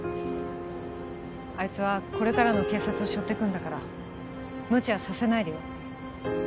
あいつはこれからの警察を背負ってくんだからむちゃさせないでよ